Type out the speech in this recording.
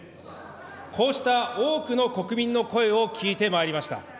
こうした多くの国民の声を聞いてまいりました。